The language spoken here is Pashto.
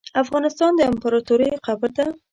افغانستان د امپراتوریو قبر ده .